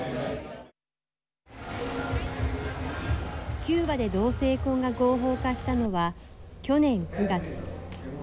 キューバで同性婚が合法化したのは去年９月。